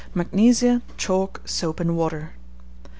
Magnesia, Chalk, Soap and Water.